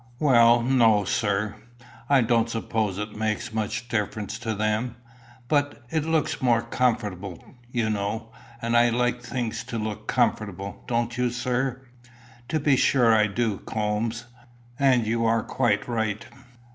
"Well no, sir. I don't suppose it makes much difference to them. But it look more comfortable, you know. And I like things to look comfortable. Don't you, sir?" "To be sure I do, Coombes. And you are quite right.